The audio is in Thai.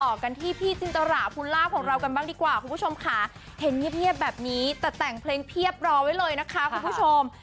กันที่พี่จินตราภูลาภของเรากันบ้างดีกว่าคุณผู้ชมค่ะเห็นเงียบแบบนี้แต่แต่งเพลงเพียบรอไว้เลยนะคะคุณผู้ชม